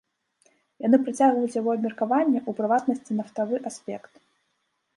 Яны працягваюць яго абмеркаванне, у прыватнасці нафтавы аспект.